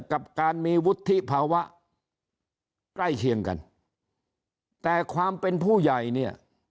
กับการมีวุฒิภาวะใกล้เคียงกันแต่ความเป็นผู้ใหญ่เนี่ย